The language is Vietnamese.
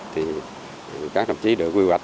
thì các hợp chí được quy hoạch